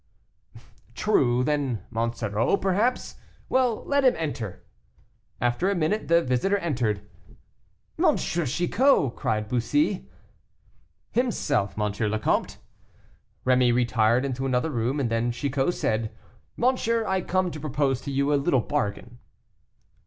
"True, then Monsoreau, perhaps; well, let him enter." After a minute the visitor entered. "M. Chicot!" cried Bussy. "Himself, M. le Comte." Rémy retired into another room, and then Chicot said, "Monsieur, I come to propose to you a little bargain."